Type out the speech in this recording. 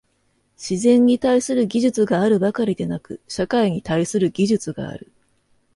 自然に対する技術があるばかりでなく、社会に対する技術がある。